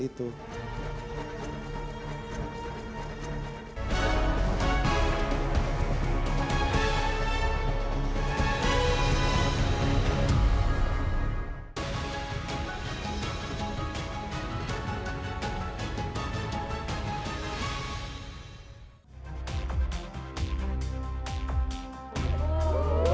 itu sudah sampai tanggal